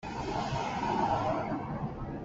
Fu kha a lai in tan.